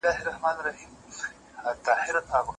یوه ورځ غویی جلا سو له ګورمه